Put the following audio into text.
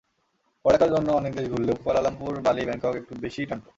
পড়ালেখার জন্য অনেক দেশ ঘুরলেও কুয়ালালামপুর, বালি, ব্যাংকক একটু বেশিই টানত।